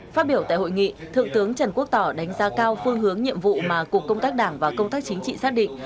phát biểu tại hội nghị thượng tướng trần quốc tỏ đánh giá cao phương hướng nhiệm vụ mà cục công tác đảng và công tác chính trị xác định